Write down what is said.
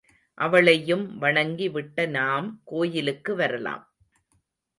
அவளையும் வணங்கி விட்டே நாம் கோயிலுக்கு வரலாம்.